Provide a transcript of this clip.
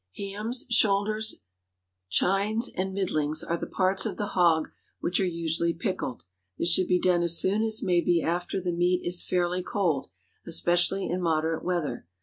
Hams, shoulders, chines, and "middlings," are the parts of the hog which are usually pickled. This should be done as soon as may be after the meat is fairly cold—especially in moderate weather.